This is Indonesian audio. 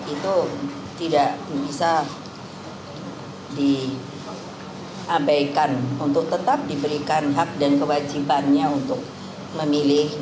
itu tidak bisa diabaikan untuk tetap diberikan hak dan kewajibannya untuk memilih